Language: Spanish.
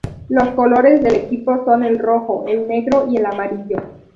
Los colores del equipo son el rojo, el negro y el amarillo.